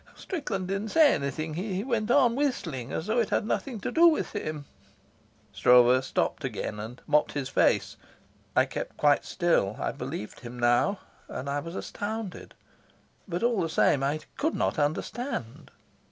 Strickland didn't say anything. He went on whistling as though it had nothing to do with him." Stroeve stopped again and mopped his face. I kept quite still. I believed him now, and I was astounded. But all the same I could not understand.